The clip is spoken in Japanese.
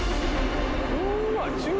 うわ！